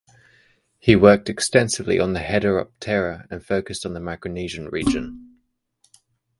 He worked extensively on the heteroptera and focused on the Micronesian region.